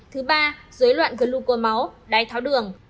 thứ ba dối loạn gluco máu đáy tháo đường